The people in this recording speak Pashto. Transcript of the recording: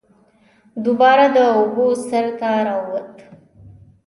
دوباره د اوبو سر ته راووت